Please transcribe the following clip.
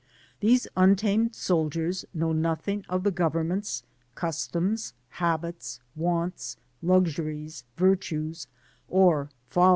These untamed soldiers know nothing of the governments, customs, habits, wants, luxuries, virtues, or fdlies.